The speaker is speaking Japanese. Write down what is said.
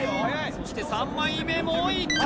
そして３枚目もいった！